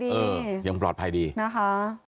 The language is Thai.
มีเรื่องอะไรมาคุยกันรับได้ทุกอย่าง